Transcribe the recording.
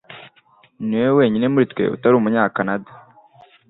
niwe wenyine muri twe utari Umunyakanada.